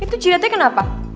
itu jidatnya kenapa